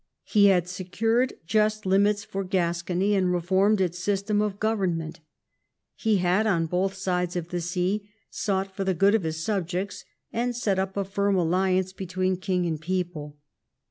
He had secured just limits for Gascony, and reformed its system of government. He had, on both sides of the sea, sought for the good of his subjects, and set up a firm alliance between king and people.